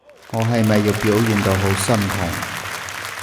我係咪要表現到好心痛？